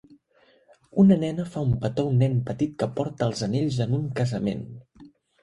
Una nena fa un petó a un nen petit que porta els anells en un casament.